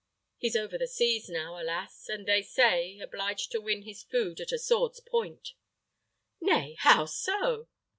He's over the seas now, alas! and they say, obliged to win his food at the sword's point." "Nay, how so?"